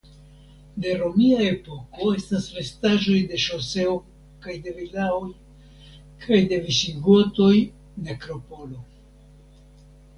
De romia epoko estas restaĵoj de ŝoseo kaj de vilaoj; kaj de visigotoj nekropolo.